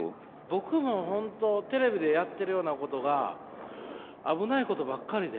僕も本当テレビでやってるようなことが危ないことばっかりで。